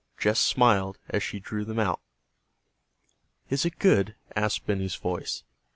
Jess smiled as she drew them out. "Is it good?" asked Benny's voice.